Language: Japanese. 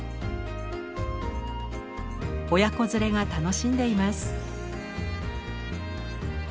親子連れが楽しんでいます。